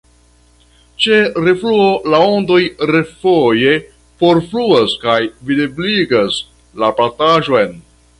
Ĉe refluo la ondoj refoje forfluas kaj videbligas „la plataĵon“.